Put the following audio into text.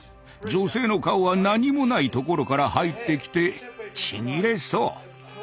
女性の顔は何もないところから入ってきてちぎれそう。